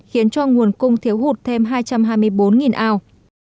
khiến cho nguồn cung thiếu hụt thêm hai trăm hai mươi bốn ao